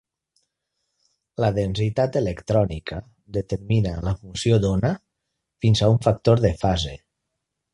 La densitat electrònica determina la funció d'ona fins a un factor de fase.